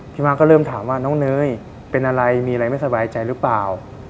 มาก็เริ่มถามว่าน้องเนยเป็นอะไรมีอะไรไม่สบายใจหรือเปล่า